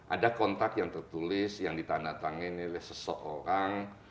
ada kontak yang tertulis yang ditandatangani oleh seseorang